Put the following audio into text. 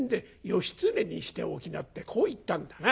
『義経にしておきな』ってこう言ったんだな」。